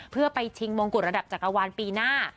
เพื่อไปชิงมงกุฎระดับจักรวาลปีหน้า